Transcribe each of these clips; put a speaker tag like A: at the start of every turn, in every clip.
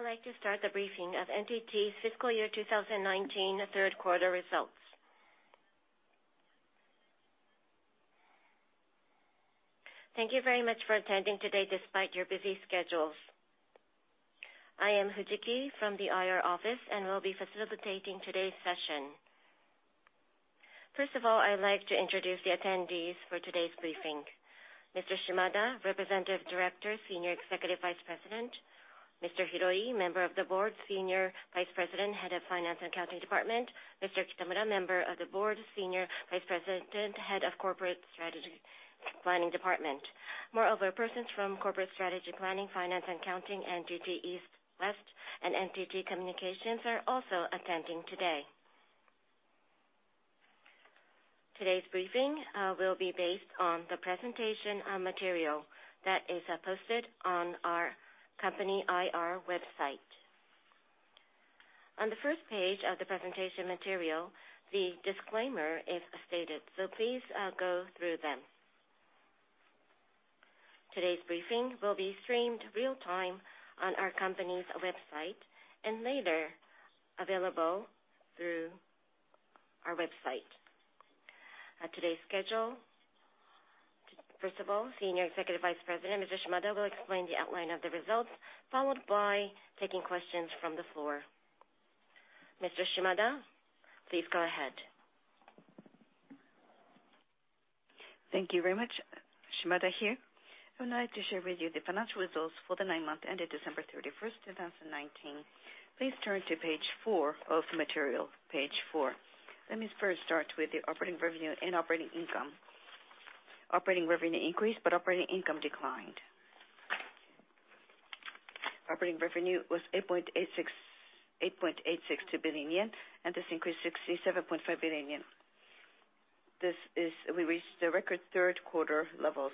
A: We would now like to start the briefing of NTT's fiscal year 2019 third quarter results. Thank you very much for attending today despite your busy schedules. I am Fujiki from the IR Office and will be facilitating today's session. First of all, I'd like to introduce the attendees for today's briefing. Mr. Shimada, Representative Director, Senior Executive Vice President. Mr. Hiroi, Member of the Board, Senior Vice President, Head of Finance and Accounting Department. Mr. Kitamura, Member of the Board, Senior Vice President, Head of Corporate Strategy Planning Department. Moreover, persons from Corporate Strategy Planning, Finance and Accounting, NTT East, West, and NTT Communications are also attending today. Today's briefing will be based on the presentation material that is posted on our company IR website. On the first page of the presentation material, the disclaimer is stated, so please go through them. Today's briefing will be streamed real time on our company's website and later available through our website. Today's schedule. First of all, Senior Executive Vice President, Mr. Shimada, will explain the outline of the results, followed by taking questions from the floor. Mr. Shimada, please go ahead.
B: Thank you very much. Shimada here. I would like to share with you the financial results for the nine months ending December 31st, 2019. Please turn to page four of the material. Page four. Let me first start with the operating revenue and operating income. Operating revenue increased, but operating income declined. Operating revenue was 8.862 billion yen, and this increased 67.5 billion yen. We reached the record third-quarter levels.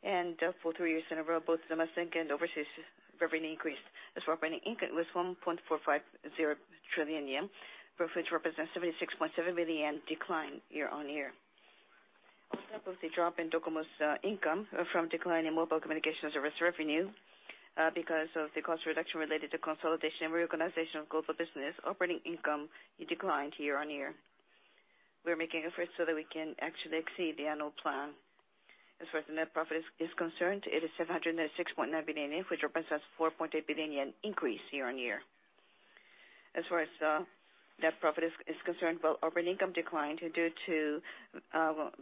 B: For three years in a row, both domestic and overseas revenue increased. As for operating income, it was 1.450 trillion yen, of which represents 76.7 billion yen decline year-on-year. On top of the drop in DOCOMO's income from decline in mobile communication service revenue, because of the cost reduction related to consolidation and reorganization of global business, operating income declined year-on-year. We are making efforts so that we can actually exceed the annual plan. As far as net profit is concerned, it is 706.9 billion yen, which represents 4.8 billion yen increase year-on-year. As far as net profit is concerned, while operating income declined due to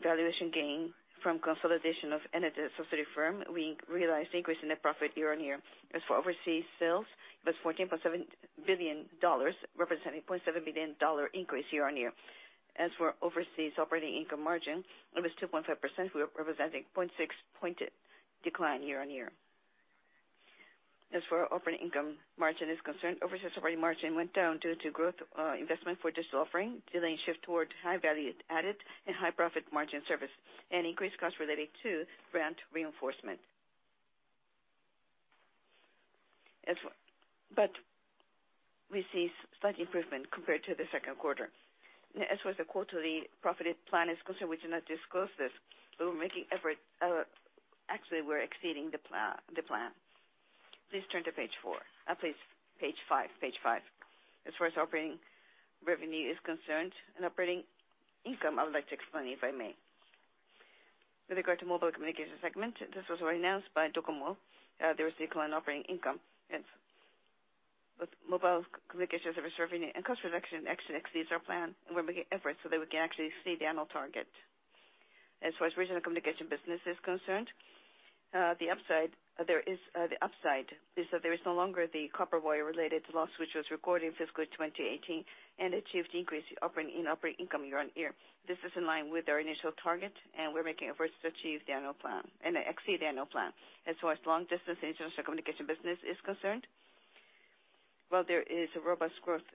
B: valuation gain from consolidation of an associated firm, we realized increase in net profit year-on-year. As for overseas sales, it was $14.7 billion, representing $0.7 billion increase year-on-year. As for overseas operating income margin, it was 2.5%, representing 0.6% point decline year-on-year. As far as operating income margin is concerned, overseas operating margin went down due to growth investment for digital offering, delaying shift towards high value added and high profit margin service and increased cost related to brand reinforcement. We see slight improvement compared to the second quarter. As far as the quarterly profit plan is concerned, we do not disclose this. Actually, we're exceeding the plan. Please turn to page four. Please, page five. Page five. As far as operating revenue is concerned and operating income, I would like to explain, if I may. With regard to mobile communication segment, this was already announced by DOCOMO. There was decline in operating income with mobile communication service revenue, and cost reduction actually exceeds our plan. We're making efforts so that we can actually exceed the annual target. As far as regional communication business is concerned, the upside is that there is no longer the copper wire-related loss, which was recorded in fiscal 2018, and achieved increase in operating income year-on-year. This is in line with our initial target, and we're making efforts to achieve the annual plan, and exceed annual plan. As far as long distance international communication business is concerned, while there is a robust growth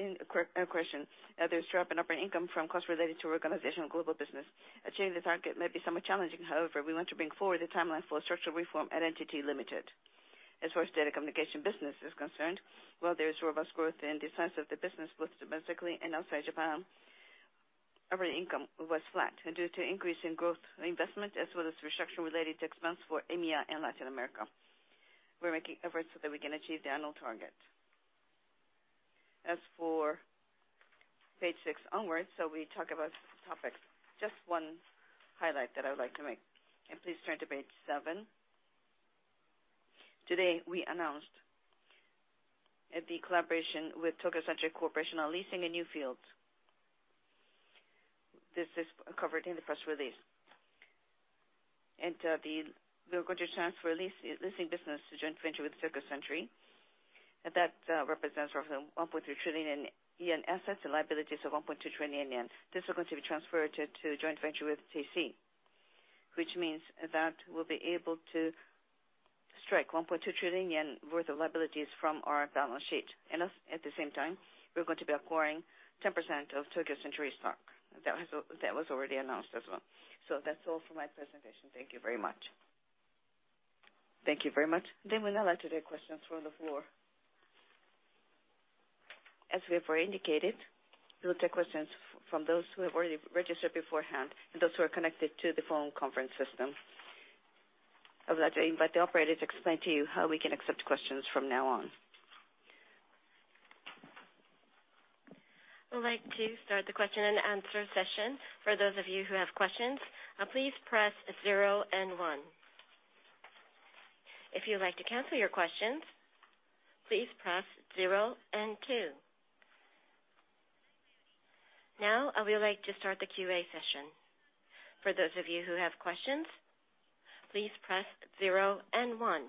B: in acquisition, there is drop in operating income from costs related to reorganization of global business. Achieving the target may be somewhat challenging, however, we want to bring forward the timeline for structural reform at NTT Ltd. As far as data communication business is concerned, while there is robust growth in the size of the business, both domestically and outside Japan, operating income was flat due to increase in growth investment as well as restructure-related expense for EMEA and Latin America. We're making efforts so that we can achieve the annual target. As for page six onwards, we talk about topics. Just one highlight that I would like to make. Please turn to page seven. Today, we announced the collaboration with Tokyo Century Corporation on leasing a new field. This is covered in the press release. We are going to transfer leasing business to joint venture with Tokyo Century. That represents roughly 1.3 trillion yen in assets and liabilities of 1.2 trillion yen. This is going to be transferred to joint venture with TC, which means that we'll be able to strike 1.2 trillion yen worth of liabilities from our balance sheet. At the same time, we're going to be acquiring 10% of Tokyo Century stock. That was already announced as well. That's all for my presentation. Thank you very much.
A: Thank you very much. We now go to questions from the floor. As we have already indicated, we will take questions from those who have already registered beforehand and those who are connected to the phone conference system. I would like to invite the operator to explain to you how we can accept questions from now on.
C: I would like to start the question and answer session. For those of you who have questions, please press zero and one. If you'd like to cancel your questions, please press zero and two. Now, I would like to start the Q&A session. For those of you who have questions, please press zero and one.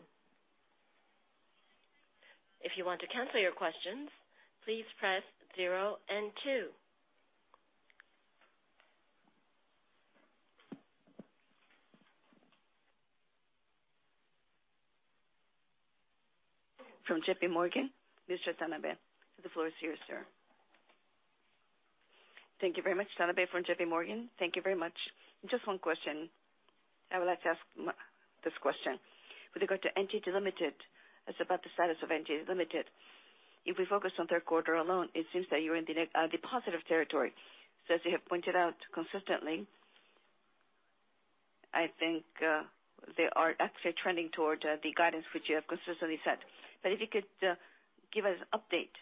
C: If you want to cancel your questions, please press zero and two. From JPMorgan, Mr. Tanabe. The floor is yours, sir.
D: Thank you very much. Tanabe from JPMorgan. Thank you very much. Just one question. I would like to ask this question with regard to NTT Ltd. It's about the status of NTT Ltd. If we focus on the third quarter alone, it seems that you're in the positive territory. As you have pointed out consistently, I think they are actually trending toward the guidance which you have consistently set. If you could give us an update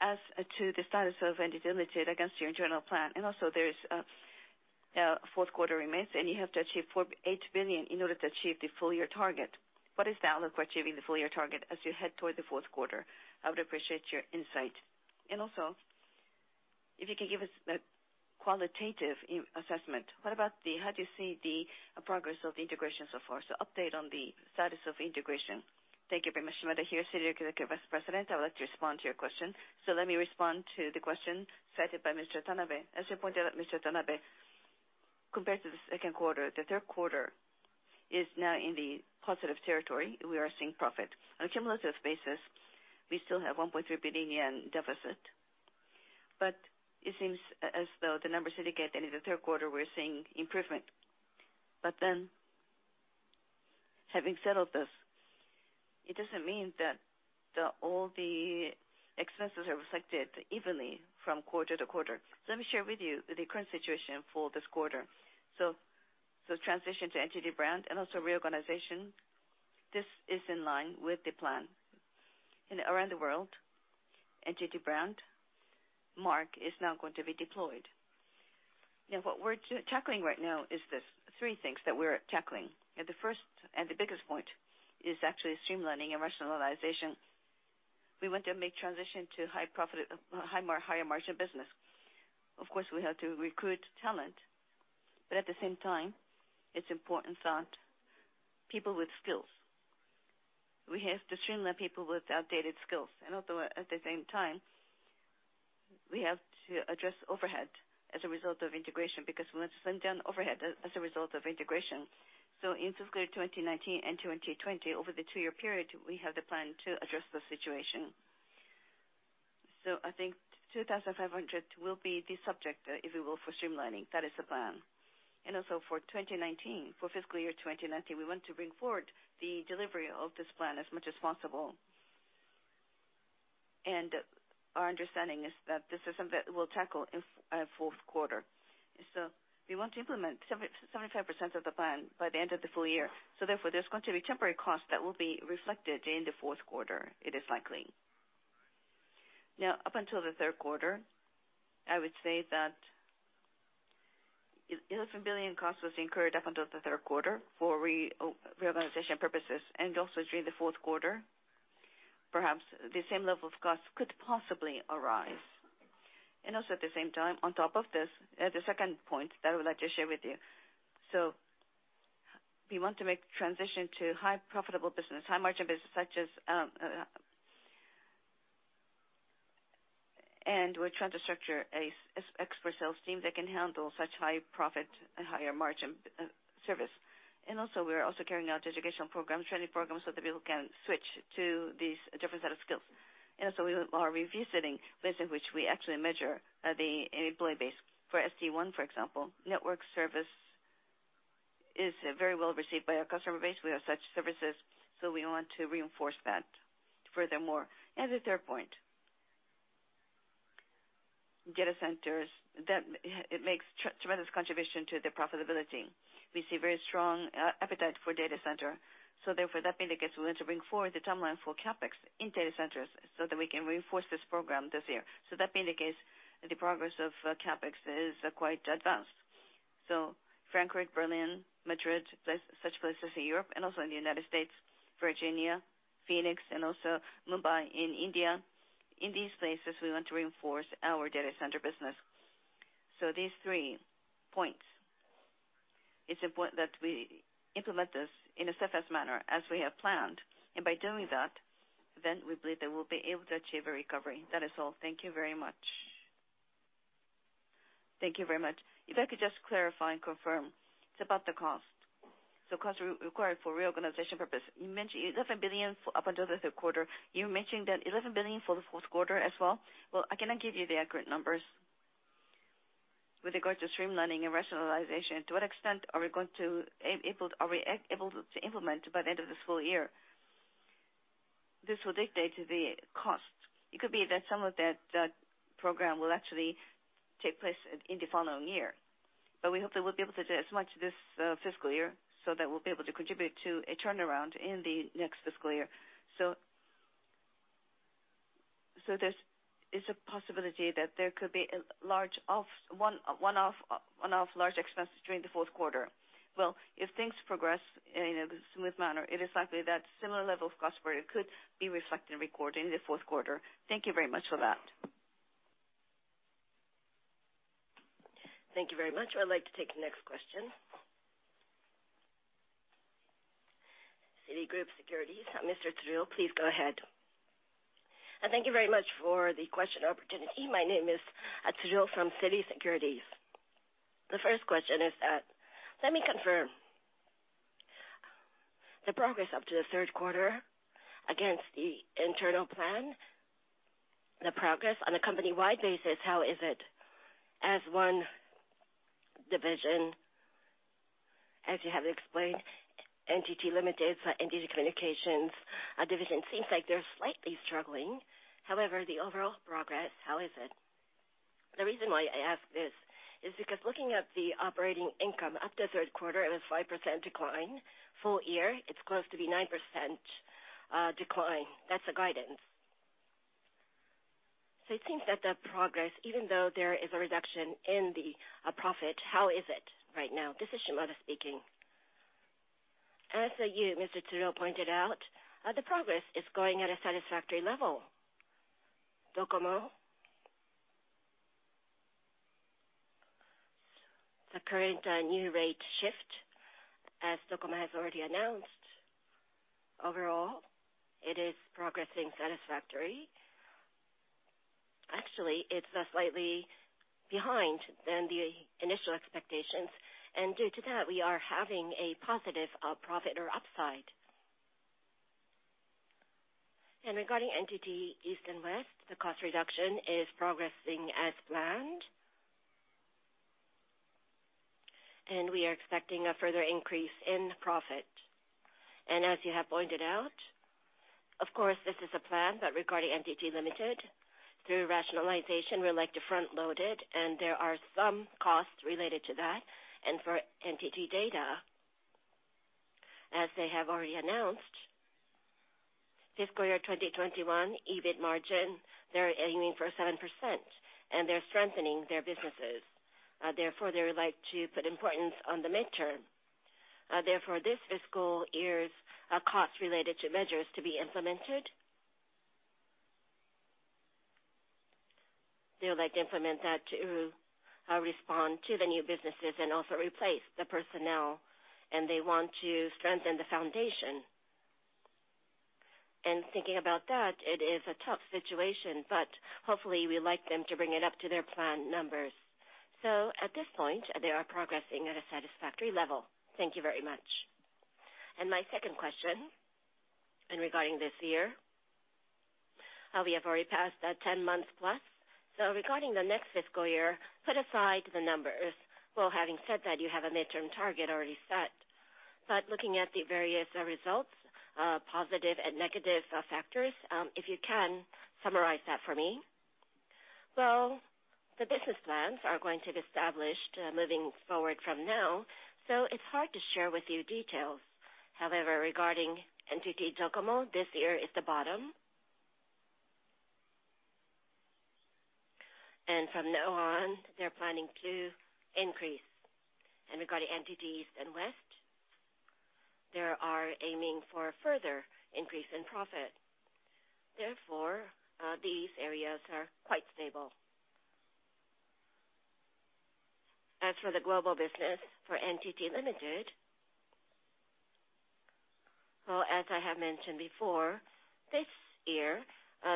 D: as to the status of NTT Ltd. against your internal plan. Also, there is a fourth quarter remains, and you have to achieve for 8 billion in order to achieve the full-year target. What is the outlook for achieving the full-year target as you head toward the fourth quarter? I would appreciate your insight. If you could give us a qualitative assessment, how do you see the progress of the integration so far? Update on the status of integration.
B: Thank you very much. Shimada here, Senior Executive Vice President. I would like to respond to your question. Let me respond to the question cited by Mr. Tanabe. As you pointed out, Mr. Tanabe, compared to the second quarter, the third quarter is now in the positive territory. We are seeing profit. On a cumulative basis, we still have 1.3 billion yen deficit. It seems as though the numbers indicate that in the third quarter we are seeing improvement. Having said all this, it does not mean that all the expenses are reflected evenly from quarter to quarter. Let me share with you the current situation for this quarter. Transition to NTT brand and also reorganization. This is in line with the plan. Around the world, NTT brand mark is now going to be deployed. What we're tackling right now is this. Three things that we're tackling. The first and the biggest point is actually streamlining and rationalization. We want to make transition to higher margin business. We have to recruit talent, but at the same time, it's important that people with skills. We have to streamline people with outdated skills. Although at the same time, we have to address overhead as a result of integration, because we want to slim down overhead as a result of integration. In fiscal 2019 and 2020, over the two-year period, we have the plan to address the situation. I think 2,500 will be the subject, if you will, for streamlining. That is the plan. For fiscal year 2019, we want to bring forward the delivery of this plan as much as possible. Our understanding is that this is something that we'll tackle in fourth quarter. We want to implement 75% of the plan by the end of the full year. Therefore, there's going to be temporary costs that will be reflected in the fourth quarter, it is likely. Up until the third quarter, I would say that 11 billion costs was incurred up until the third quarter for reorganization purposes. During the fourth quarter, perhaps the same level of costs could possibly arise. At the same time, on top of this, the second point that I would like to share with you. We want to make transition to high profitable business, high margin business, we're trying to structure an expert sales team that can handle such high profit and higher margin service. We are also carrying out educational programs, training programs, so that people can switch to these different set of skills. We are revisiting ways in which we actually measure the employee base. For SD-WAN, for example, network service is very well received by our customer base. We have such services, we want to reinforce that furthermore. The third point, data centers. It makes tremendous contribution to the profitability. We see very strong appetite for data center, so therefore that indicates we want to bring forward the timeline for CapEx in data centers so that we can reinforce this program this year. That indicates that the progress of CapEx is quite advanced. Frankfurt, Berlin, Madrid, such places in Europe and also in the United States, Virginia, Phoenix, and also Mumbai in India. In these places, we want to reinforce our data center business. These three points, it's important that we implement this in a steadfast manner as we have planned, and by doing that, we believe that we'll be able to achieve a recovery. That is all. Thank you very much.
D: Thank you very much. If I could just clarify and confirm. It's about the cost. Cost required for reorganization purpose. You mentioned 11 billion up until the third quarter. You mentioned that 11 billion for the fourth quarter as well?
B: Well, I cannot give you the accurate numbers with regard to streamlining and rationalization, to what extent are we going to be able to implement by the end of this full year. This will dictate the cost. It could be that some of that program will actually take place in the following year, but we hope that we'll be able to do as much this fiscal year so that we'll be able to contribute to a turnaround in the next fiscal year. There is a possibility that there could be one-off large expenses during the fourth quarter. If things progress in a smooth manner, it is likely that similar level of cost for it could be reflected and recorded in the fourth quarter.
D: Thank you very much for that.
C: Thank you very much. I'd like to take the next question. Citigroup Securities, Mr. Tsuruo, please go ahead.
E: Thank you very much for the question opportunity. My name is Tsuruo from Citigroup Securities. First question is that, let me confirm. The progress up to the third quarter against the internal plan, the progress on a company-wide basis, how is it as one division? As you have explained, NTT Ltd., NTT Communications division seems like they're slightly struggling. Overall progress, how is it? The reason why I ask this is because looking at the operating income up to the third quarter, it was 5% decline. Full year, it's close to be 9% decline. That's the guidance. It seems that the progress, even though there is a reduction in the profit, how is it right now?
B: This is Shimada speaking. As you, Mr. Tsuruo, pointed out, the progress is going at a satisfactory level. DOCOMO, the current new rate shift, as DOCOMO has already announced, overall, it is progressing satisfactorily. Actually, it's slightly behind than the initial expectations, and due to that, we are having a positive profit or upside. Regarding NTT East and West, the cost reduction is progressing as planned, and we are expecting a further increase in profit. As you have pointed out, of course, this is a plan, but regarding NTT Ltd., through rationalization, we like to front-load it, and there are some costs related to that. For NTT DATA, as they have already announced, fiscal year 2021, EBIT margin, they're aiming for 7%, and they're strengthening their businesses. Therefore, they would like to put importance on the midterm. This fiscal year's cost related to measures to be implemented, they would like to implement that to respond to the new businesses and also replace the personnel, and they want to strengthen the foundation. Thinking about that, it is a tough situation, hopefully, we like them to bring it up to their planned numbers. At this point, they are progressing at a satisfactory level.
E: Thank you very much. My second question, regarding this year, we have already passed 10 months plus. Regarding the next fiscal year, put aside the numbers. Well, having said that, you have a midterm target already set. Looking at the various results, positive and negative factors, if you can, summarize that for me?
B: Well, the business plans are going to be established moving forward from now, it's hard to share with you details. Regarding NTT DOCOMO, this year is the bottom. From now on, they're planning to increase. Regarding NTT East and West, they are aiming for a further increase in profit. These areas are quite stable. As for the global business for NTT Ltd., well, as I have mentioned before, this year,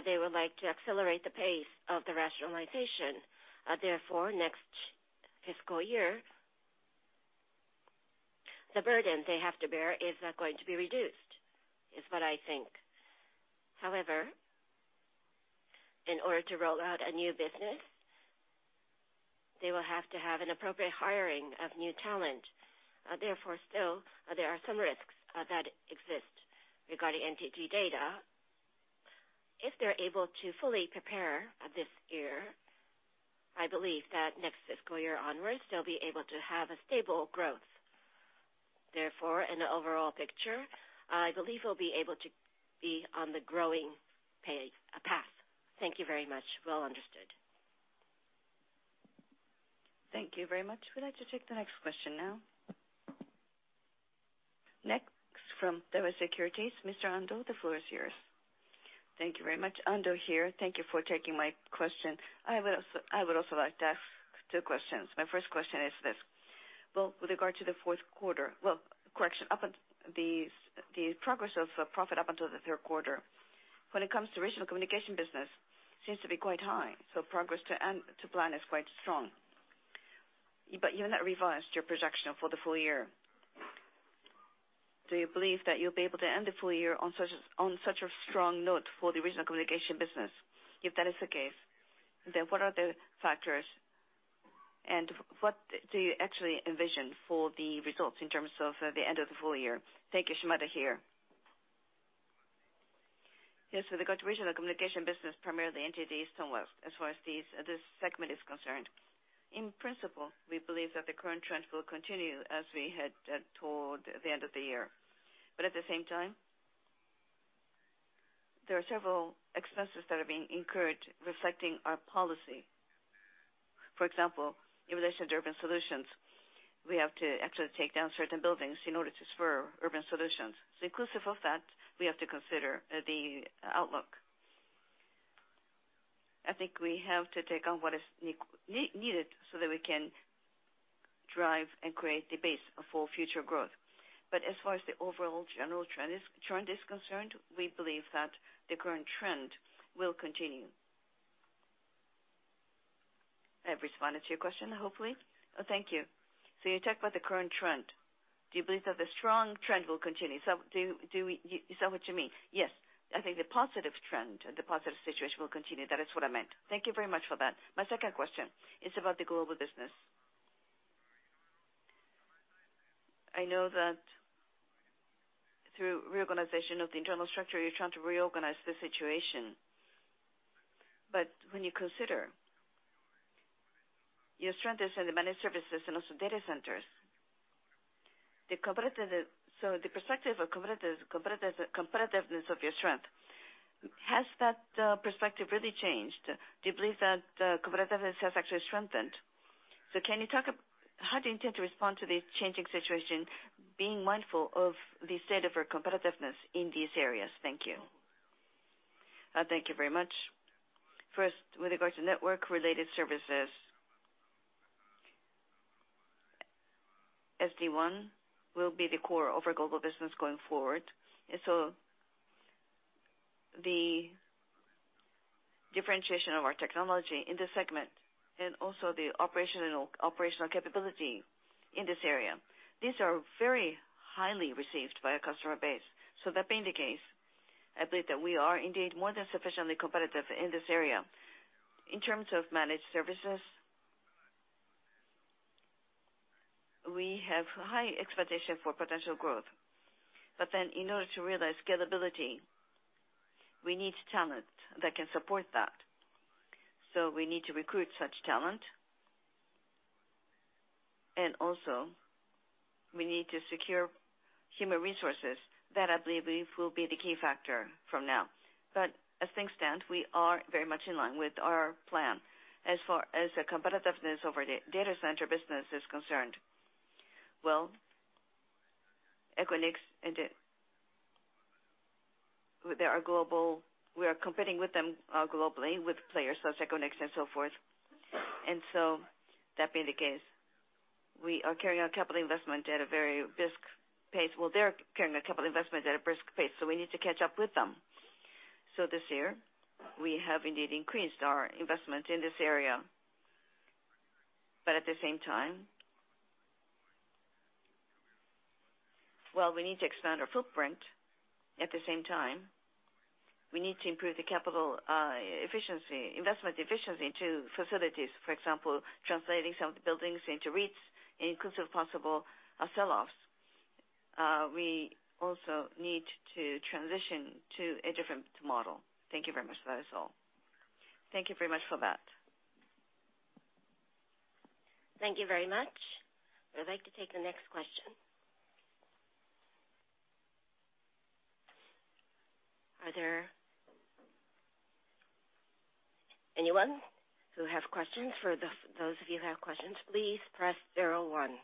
B: they would like to accelerate the pace of the rationalization. Next fiscal year, the burden they have to bear is going to be reduced, is what I think. In order to roll out a new business, they will have to have an appropriate hiring of new talent. Still, there are some risks that exist. Regarding NTT DATA, if they're able to fully prepare this year, I believe that next fiscal year onwards, they'll be able to have a stable growth. In the overall picture, I believe we'll be able to be on the growing path.
E: Thank you very much. Well understood.
C: Thank you very much. We'd like to take the next question now. Next from Daiwa Securities, Mr. Ando, the floor is yours.
F: Thank you very much. Ando here. Thank you for taking my question. I would also like to ask two questions. My first question is this. Well, with regard to the fourth quarter. Well, correction, the progress of profit up until the third quarter. When it comes to regional communication business, seems to be quite high, so progress to plan is quite strong. You have not revised your projection for the full year. Do you believe that you'll be able to end the full year on such a strong note for the regional communication business? If that is the case, what are the factors and what do you actually envision for the results in terms of the end of the full year?
B: Thank you. Shimada here. Yes. With regards to regional communication business, primarily NTT East and West, as far as this segment is concerned. In principle, we believe that the current trend will continue as we head toward the end of the year. At the same time, there are several expenses that are being incurred reflecting our policy. For example, in relation to urban solutions, we have to actually take down certain buildings in order to spur urban solutions. Inclusive of that, we have to consider the outlook. I think we have to take on what is needed so that we can drive and create the base for future growth. As far as the overall general trend is concerned, we believe that the current trend will continue. I have responded to your question, hopefully.
F: Thank you. You talked about the current trend. Do you believe that the strong trend will continue? Is that what you mean?
B: Yes. I think the positive trend, the positive situation will continue. That is what I meant.
F: Thank you very much for that. My second question is about the global business. I know that through reorganization of the internal structure, you're trying to reorganize the situation. When you consider your strength is in the managed services and also data centers. The perspective of competitiveness of your strength, has that perspective really changed? Do you believe that competitiveness has actually strengthened? Can you talk about how do you intend to respond to the changing situation, being mindful of the state of your competitiveness in these areas? Thank you.
B: Thank you very much. First, with regards to network-related services, SD-WAN will be the core of our global business going forward. The differentiation of our technology in this segment and also the operational capability in this area, these are very highly received by our customer base. That being the case, I believe that we are indeed more than sufficiently competitive in this area. In terms of managed services, we have high expectation for potential growth. In order to realize scalability, we need talent that can support that. We need to recruit such talent. We need to secure human resources. That, I believe, will be the key factor from now. As things stand, we are very much in line with our plan. As far as the competitiveness of our data center business is concerned, well, Equinix, we are competing with them globally with players such Equinix and so forth. That being the case, we are carrying our capital investment at a very brisk pace. Well, they're carrying a capital investment at a brisk pace, so we need to catch up with them. This year, we have indeed increased our investment in this area. At the same time, while we need to expand our footprint, at the same time, we need to improve the capital investment efficiency to facilities. For example, translating some of the buildings into REITs, inclusive of possible sell-offs. We also need to transition to a different model. Thank you very much. That is all.
F: Thank you very much for that.
C: Thank you very much. I'd like to take the next question. Are there anyone who have questions? For those of you who have questions, please press zero one.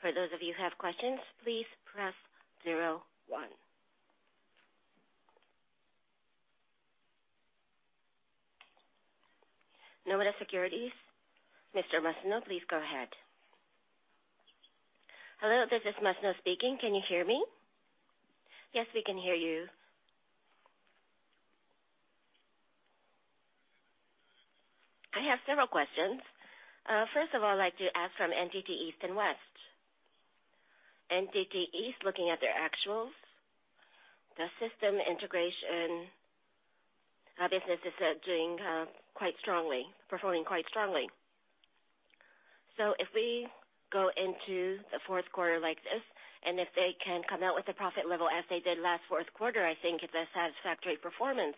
C: For those of you who have questions, please press zero one. Nomura Securities. Mr. Masuno, please go ahead.
G: Hello, this is Masuno speaking. Can you hear me?
C: Yes, we can hear you.
G: I have several questions. First of all, I'd like to ask from NTT East and NTT West. NTT East, looking at their actuals, the system integration business is doing quite strongly, performing quite strongly. If we go into the fourth quarter like this, and if they can come out with a profit level as they did last fourth quarter, I think it's a satisfactory performance.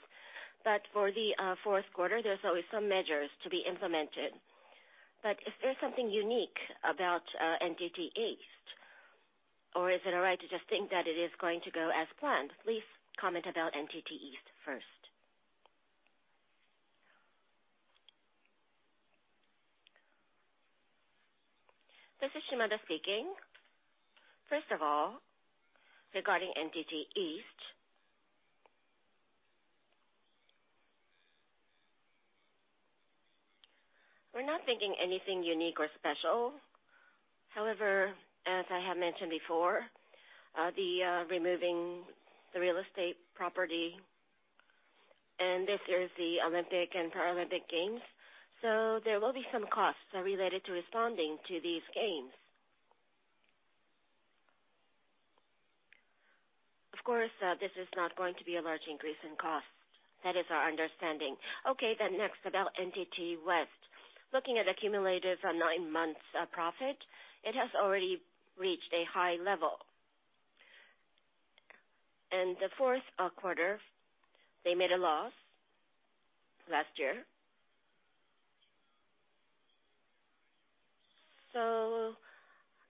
G: For the fourth quarter, there's always some measures to be implemented. Is there something unique about NTT East, or is it all right to just think that it is going to go as planned? Please comment about NTT East first.
B: This is Shimada speaking. First of all, regarding NTT East, we're not thinking anything unique or special. However, as I have mentioned before, the removing the real estate property this year is the Olympic and Paralympic Games. There will be some costs related to responding to these games. Of course, this is not going to be a large increase in cost. That is our understanding. Next, about NTT West. Looking at cumulative nine months of profit, it has already reached a high level. In the fourth quarter, they made a loss last year.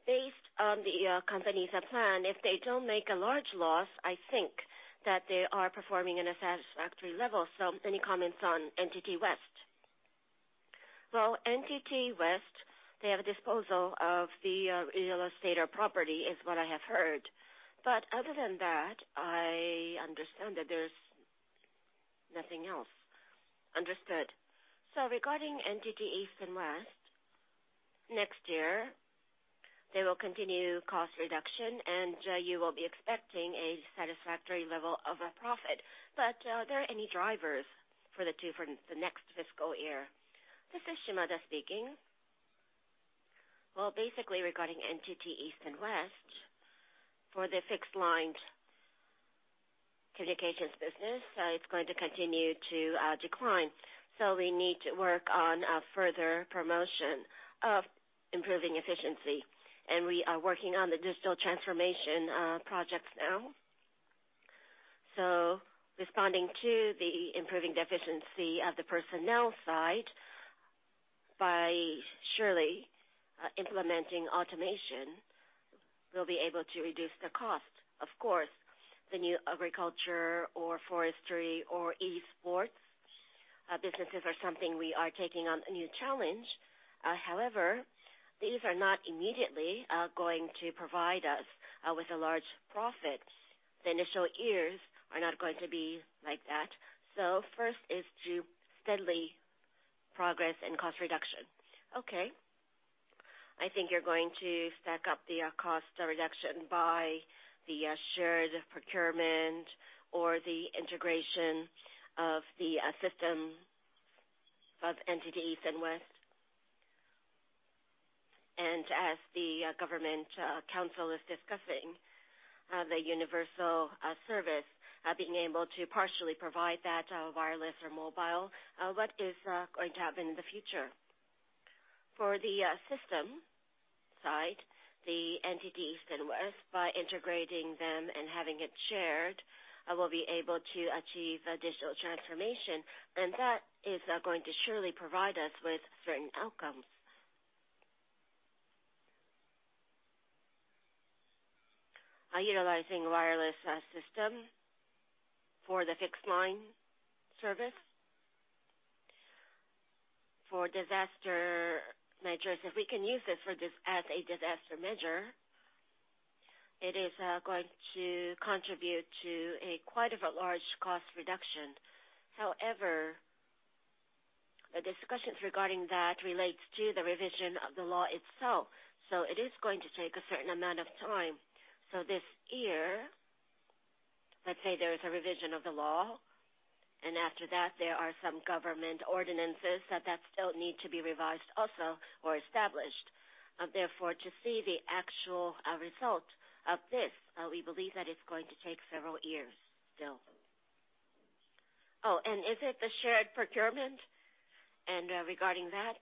B: Based on the company's plan, if they don't make a large loss, I think that they are performing in a satisfactory level.
G: Any comments on NTT West?
B: NTT West, they have a disposal of the real estate or property, is what I have heard. Other than that, I understand that there's nothing else.
G: Understood. Regarding NTT East and West, next year, they will continue cost reduction and you will be expecting a satisfactory level of profit. Are there any drivers for the two for the next fiscal year?
B: This is Shimada speaking. Basically regarding NTT East and NTT West, for the fixed line communications business, it's going to continue to decline. We need to work on further promotion of improving efficiency. We are working on the digital transformation projects now. Responding to the improving efficiency of the personnel side, by surely implementing automation, we'll be able to reduce the cost. Of course, the new agriculture or forestry or e-sports businesses are something we are taking on a new challenge. However, these are not immediately going to provide us with a large profit. The initial years are not going to be like that. First is to steadily progress in cost reduction.
G: Okay. I think you're going to stack up the cost reduction by the shared procurement or the integration of the system of NTT East and West. As the government council is discussing the universal service, being able to partially provide that wireless or mobile, what is going to happen in the future?
B: For the system side, the NTT East and West, by integrating them and having it shared, we'll be able to achieve digital transformation, and that is going to surely provide us with certain outcomes. Utilizing wireless system for the fixed-line service. For disaster measures, if we can use this as a disaster measure, it is going to contribute to quite a large cost reduction. However, the discussions regarding that relates to the revision of the law itself. It is going to take a certain amount of time. This year, let's say there is a revision of the law, and after that, there are some government ordinances that still need to be revised also or established. Therefore, to see the actual result of this, we believe that it's going to take several years still.
G: Is it the shared procurement? Regarding that?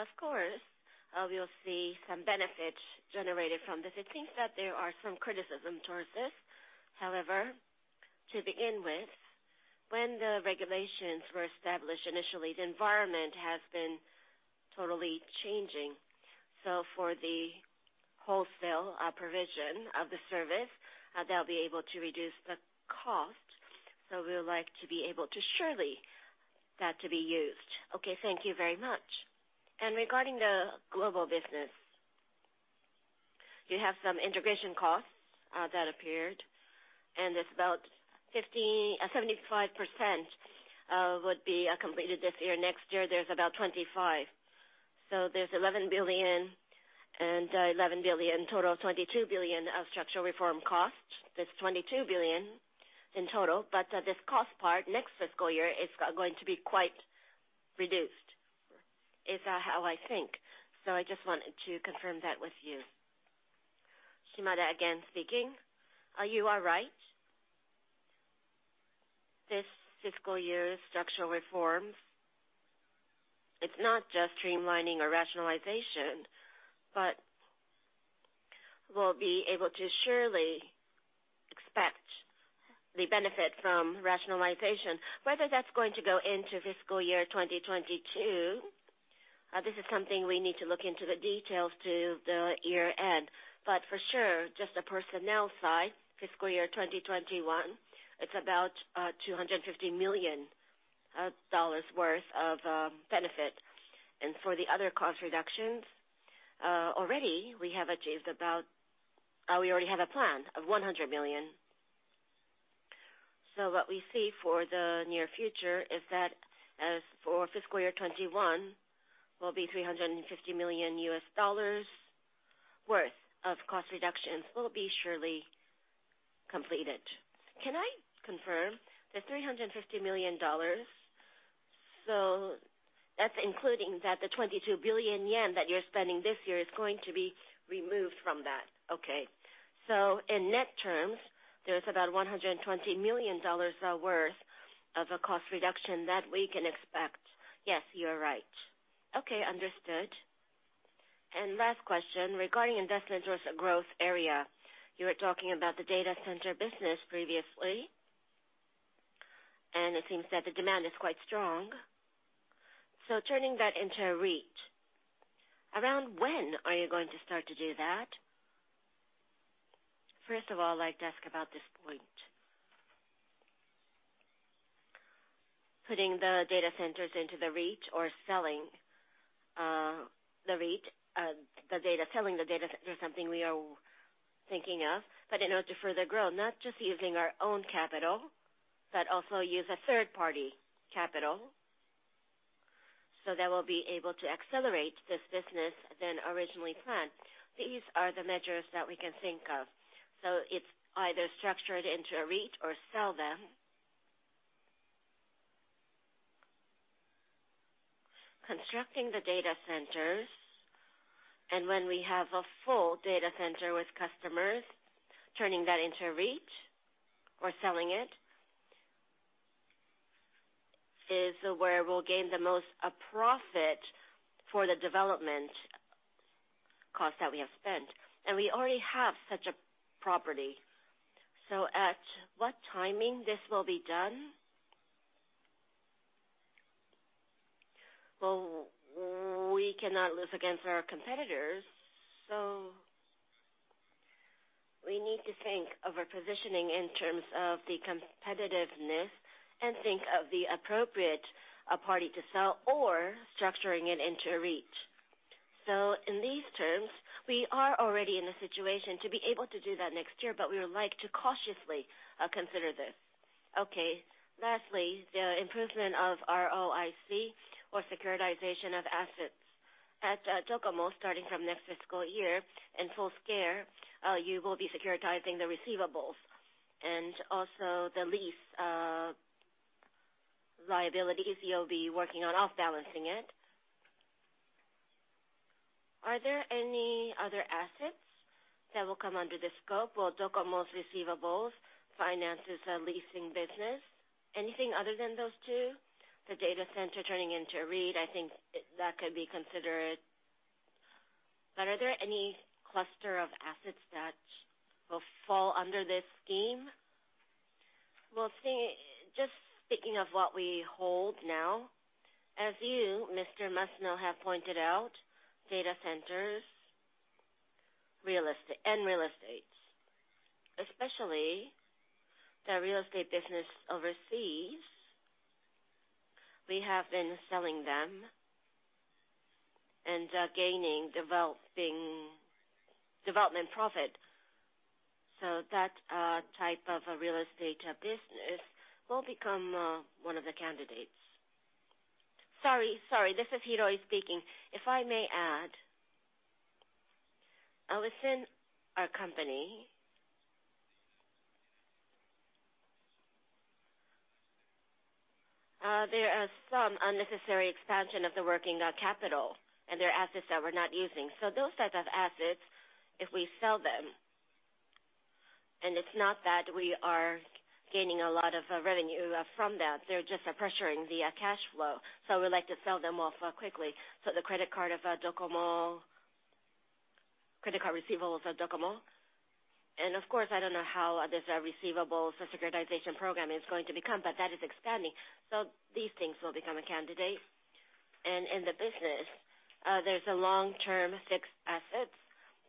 B: Of course, we'll see some benefits generated from this. It seems that there are some criticism towards this. However, to begin with, when the regulations were established initially, the environment has been totally changing. For the wholesale provision of the service, they'll be able to reduce the cost. We would like to be able to surely that to be used.
G: Okay, thank you very much. Regarding the global business, you have some integration costs that appeared, and it's about 75% would be completed this year. Next year, there's about 25%. There's 11 billion and 11 billion, total of 22 billion of structural reform costs. There's 22 billion in total, but this cost part, next fiscal year, is going to be quite reduced, is how I think. I just wanted to confirm that with you.
B: Shimada again speaking. You are right. This fiscal year's structural reforms, it's not just streamlining or rationalization, but we'll be able to surely expect the benefit from rationalization. Whether that's going to go into fiscal year 2022, this is something we need to look into the details to the year-end. For sure, just the personnel side, fiscal year 2021, it's about JPY 250 million worth of benefit. For the other cost reductions, we already have a plan of 100 million. What we see for the near future is that as for fiscal year 2021, will be $350 million worth of cost reductions will be surely completed.
G: Can I confirm? The $350 million, that's including that the 22 billion yen that you're spending this year is going to be removed from that. Okay. In net terms, there is about JPY 120 million worth of a cost reduction that we can expect.
B: Yes, you are right.
G: Okay. Understood. Last question regarding investment towards a growth area. You were talking about the data center business previously, and it seems that the demand is quite strong. Turning that into a REIT. Around when are you going to start to do that?
B: First of all, I'd like to ask about this point. Putting the data centers into the REIT or selling the data centers is something we are thinking of. In order to further grow, not just using our own capital, but also use a third-party capital. That we'll be able to accelerate this business than originally planned. These are the measures that we can think of. It's either structured into a REIT or sell them. Constructing the data centers, and when we have a full data center with customers, turning that into a REIT or selling it is where we'll gain the most profit for the development cost that we have spent. We already have such a property.
G: At what timing this will be done?
B: Well, we cannot lose against our competitors, we need to think of our positioning in terms of the competitiveness and think of the appropriate party to sell or structuring it into a REIT. In these terms, we are already in a situation to be able to do that next year, but we would like to cautiously consider this.
G: Okay. Lastly, the improvement of ROIC or securitization of assets. At NTT DOCOMO, starting from next fiscal year, in full scale, you will be securitizing the receivables. Also the lease liabilities, you'll be working on off-balancing it. Are there any other assets that will come under the scope? Well, NTT DOCOMO's receivables, finances, leasing business. Anything other than those two? The data center turning into a REIT, I think that could be considered. Are there any cluster of assets that will fall under this scheme?
B: Well, just speaking of what we hold now, as you, Mr. Masuno, have pointed out, data centers and real estate. Especially the real estate business overseas, we have been selling them and are gaining development profit. That type of real estate business will become one of the candidates.
H: Sorry. This is Hiroi speaking. If I may add, within our company, there are some unnecessary expansion of the working capital and there are assets that we're not using. Those types of assets, if we sell them, and it's not that we are gaining a lot of revenue from them, they're just pressuring the cash flow. We'd like to sell them off quickly. The credit card receivables of DOCOMO. Of course, I don't know how this receivables securitization program is going to become, but that is expanding. These things will become a candidate. In the business, there's long-term fixed assets,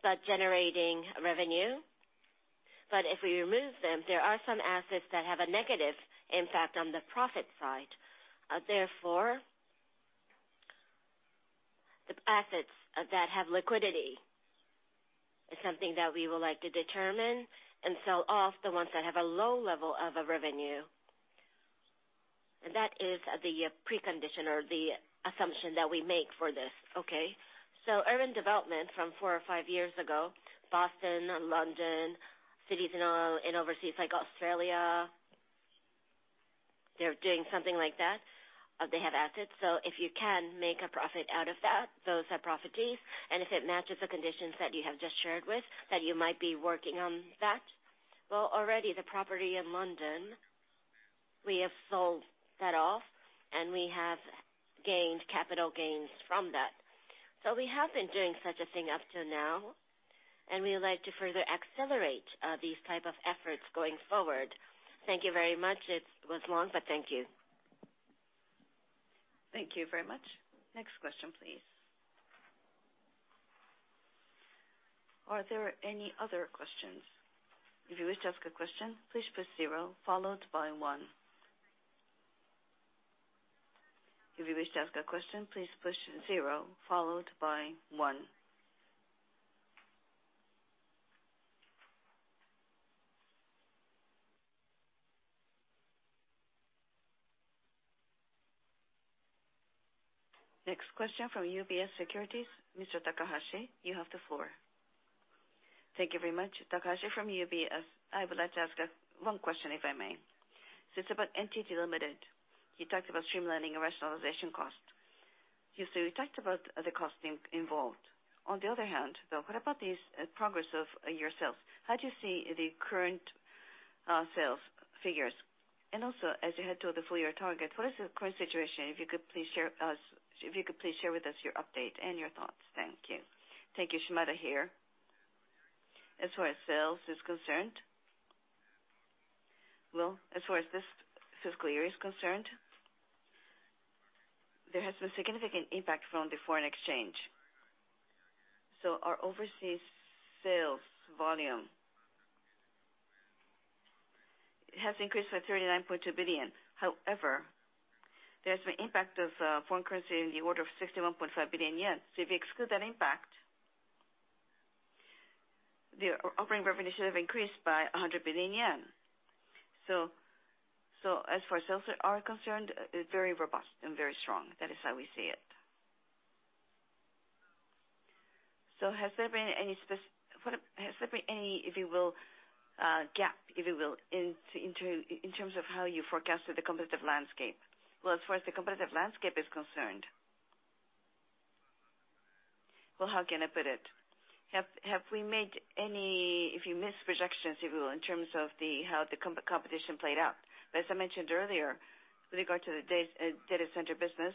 H: but generating revenue. If we remove them, there are some assets that have a negative impact on the profit side. The assets that have liquidity is something that we would like to determine and sell off the ones that have a low level of revenue. That is the precondition or the assumption that we make for this.
G: Okay. Urban development from four or five years ago, Boston, London, cities in overseas like Australia, they're doing something like that?
H: They have assets. If you can make a profit out of that, those are properties. If it matches the conditions that you have just shared with, that you might be working on that. Well, already the property in London, we have sold that off, and we have gained capital gains from that. We have been doing such a thing up till now, and we would like to further accelerate these type of efforts going forward.
G: Thank you very much. It was long, but thank you.
C: Thank you very much. Next question, please. Are there any other questions? If you wish to ask a question, please push zero followed by one. If you wish to ask a question, please push zero followed by one. Next question from UBS Securities. Mr. Takahashi, you have the floor.
I: Thank you very much. Takahashi from UBS. I would like to ask one question, if I may. It's about NTT Ltd. You talked about streamlining and rationalization cost. You said we talked about the costing involved. On the other hand, though, what about the progress of your sales? How do you see the current sales figures? Also, as you head toward the full-year target, what is the current situation? If you could please share with us your update and your thoughts. Thank you.
B: Thank you. Shimada here. As far as sales is concerned, well, as far as this fiscal year is concerned, there has been significant impact from the foreign exchange. Our overseas sales volume has increased by 39.2 billion. However, there's the impact of foreign currency in the order of 61.5 billion yen. If you exclude that impact, the operating revenue should have increased by 100 billion yen. As far as sales are concerned, it's very robust and very strong. That is how we see it.
I: Has there been any, if you will, gap, if you will, in terms of how you forecasted the competitive landscape?
B: Well, as far as the competitive landscape is concerned, well, how can I put it? Have we made any, if you miss projections, if you will, in terms of how the competition played out. As I mentioned earlier, with regard to the data center business,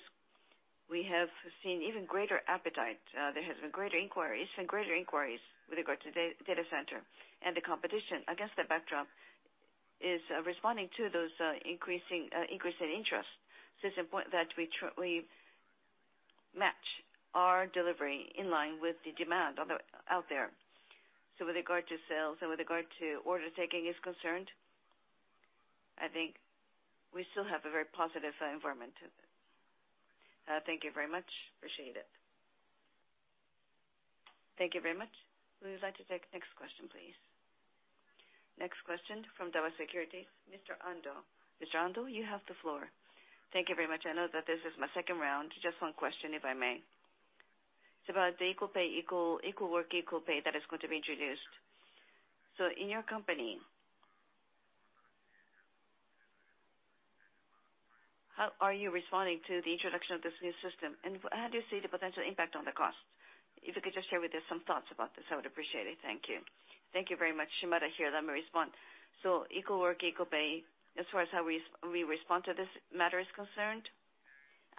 B: we have seen even greater appetite. There has been greater inquiries with regard to data center. The competition, against that backdrop, is responding to those increase in interest. It's important that we match our delivery in line with the demand out there. With regard to sales and with regard to order taking is concerned, I think we still have a very positive environment.
I: Thank you very much. Appreciate it.
C: Thank you very much. Would you like to take the next question, please? Next question from Daiwa Securities. Mr. Ando. Mr. Ando, you have the floor.
F: Thank you very much. I know that this is my second round. Just one question, if I may. It's about equal work, equal pay that is going to be introduced. In your company, how are you responding to the introduction of this new system, and how do you see the potential impact on the cost? If you could just share with us some thoughts about this, I would appreciate it. Thank you.
B: Thank you very much. Shimada here. Let me respond. Equal work, equal pay, as far as how we respond to this matter is concerned,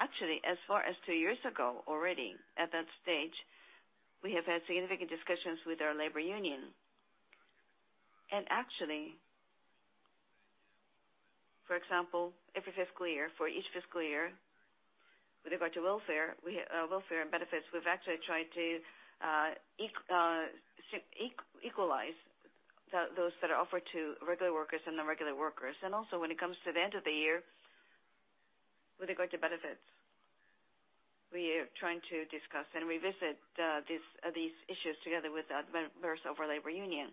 B: actually, as far as two years ago, already at that stage, we have had significant discussions with our labor union. For example, every fiscal year, for each fiscal year, with regard to welfare and benefits, we've actually tried to equalize those that are offered to regular workers and non-regular workers. When it comes to the end of the year, with regard to benefits, we are trying to discuss and revisit these issues together with members of our labor union.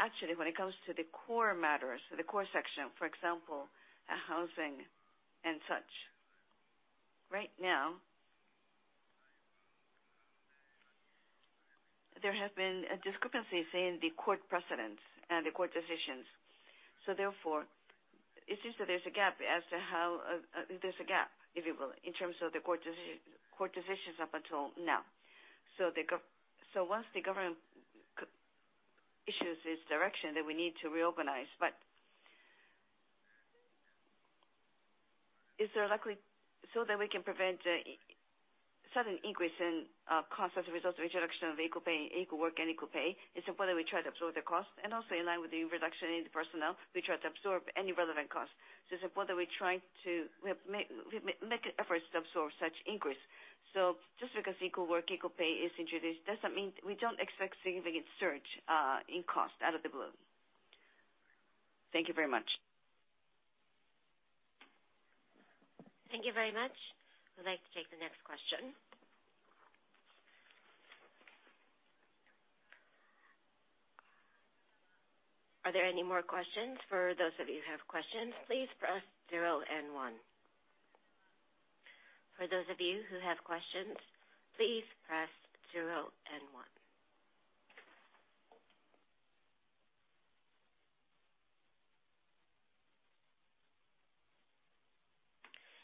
B: Actually, when it comes to the core matters, the core section, for example, housing and such, right now, there have been discrepancies in the court precedents and the court decisions. It seems that there's a gap, if you will, in terms of the court decisions up until now. Once the government issues its direction, then we need to reorganize. We can prevent a sudden increase in cost as a result of the introduction of equal work and equal pay, it's important that we try to absorb the cost. In line with the reduction in the personnel, we try to absorb any relevant costs. It's important we make efforts to absorb such increase. Just because equal work, equal pay is introduced, we don't expect significant surge in cost out of the blue.
F: Thank you very much.
C: Thank you very much. We'd like to take the next question. Are there any more questions? For those of you who have questions, please press zero and one. For those of you who have questions, please press zero and one.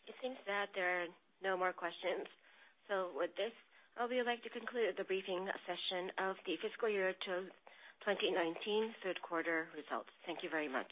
C: It seems that there are no more questions. With this, I would like to conclude the briefing session of the fiscal year 2019 third quarter results. Thank you very much.